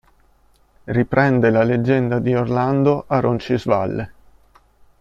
Riprende la leggenda di Orlando a Roncisvalle.